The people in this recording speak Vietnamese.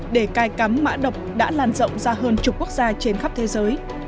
để cai cắm mã độc đã lan rộng ra hơn chục quốc gia trên khắp thế giới